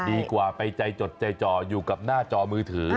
ดีกว่าไปใจจดใจจ่ออยู่กับหน้าจอมือถือ